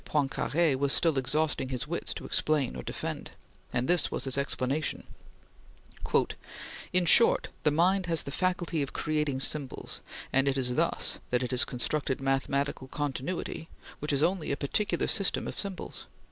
Poincare was still exhausting his wits to explain or defend; and this was his explanation: "In short, the mind has the faculty of creating symbols, and it is thus that it has constructed mathematical continuity which is only a particular system of symbols."